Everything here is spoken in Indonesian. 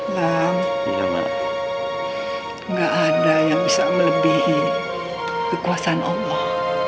lam gak ada yang bisa melebihi kekuasaan allah